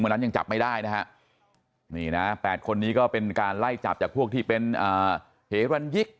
นั้นยังจับไม่ได้นะฮะนี่นะ๘คนนี้ก็เป็นการไล่จับจากพวกที่เป็นเหรันยิก